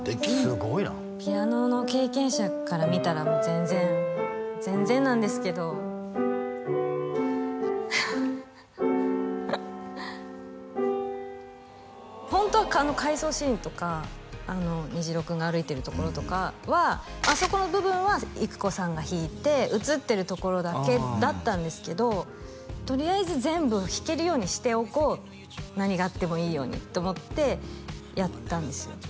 すごいなピアノの経験者から見たら全然全然なんですけどホントは回想シーンとか虹郎君が歩いてるところとかはあそこの部分は幾子さんが弾いて映ってるところだけだったんですけどとりあえず全部弾けるようにしておこう何があってもいいようにと思ってやったんですよ